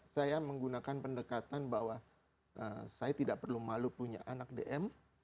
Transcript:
saya menggunakan pendekatan bahwa saya tidak perlu malu punya anak dm